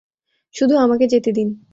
শুধু আমাকে যেতে দিন।